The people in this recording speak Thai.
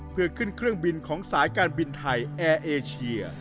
เพื่อขึ้นเครื่องบินของสายการบินไทยแอร์เอเชีย